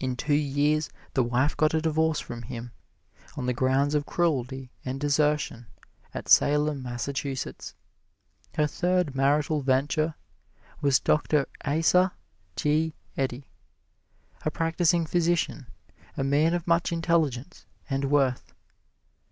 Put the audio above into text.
In two years the wife got a divorce from him, on the grounds of cruelty and desertion, at Salem, Massachusetts. Her third marital venture was Doctor Asa G. Eddy, a practising physician a man of much intelligence and worth.